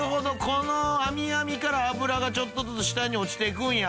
この網々から脂がちょっとずつ下に落ちていくんや。